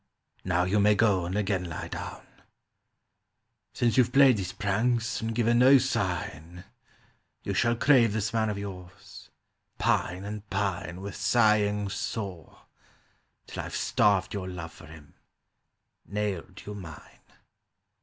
Now you may go and again lie down "Since you've played these pranks and given no sign, You shall crave this man of yours; pine and pine With sighings sore, 'Till I've starved your love for him; nailed you mine.